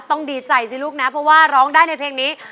ดีใจสิลูกนะเพราะว่าร้องได้ในเพลงนี้